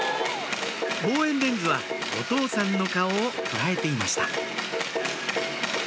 望遠レンズはお父さんの顔を捉えていました